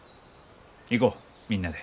行こうみんなで。